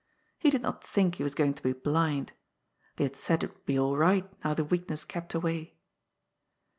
He did not think he was going to be blind. They had said it would be all right now the weakness kept away.